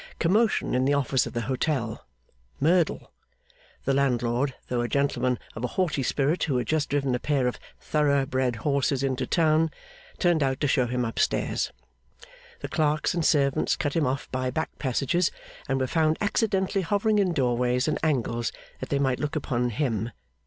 Commotion in the office of the hotel. Merdle! The landlord, though a gentleman of a haughty spirit who had just driven a pair of thorough bred horses into town, turned out to show him up stairs. The clerks and servants cut him off by back passages, and were found accidentally hovering in doorways and angles, that they might look upon him.